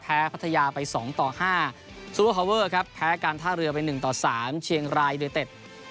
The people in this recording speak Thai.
แพ้พัทยาไปสองต่อห้าครับแพ้การท่าเรือไปหนึ่งต่อสามเชียงรายยุโดยเต็ด